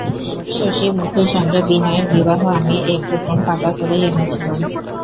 শশিমুখীর সঙ্গে বিনয়ের বিবাহ আমি একরকম পাকা করেই এনেছিলুম।